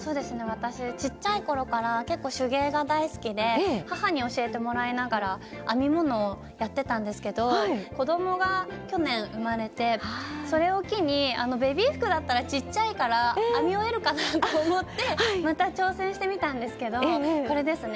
私ちっちゃい頃から結構手芸が大好きで母に教えてもらいながら編み物をやってたんですけど子供が去年生まれてそれを機にベビー服だったらちっちゃいから編み終えるかなと思ってまた挑戦してみたんですけどこれですね。